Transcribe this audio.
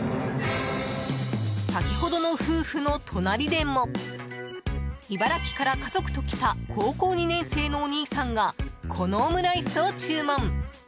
先ほどの夫婦の隣でも茨城から家族と来た高校２年生のお兄さんがこのオムライスを注文。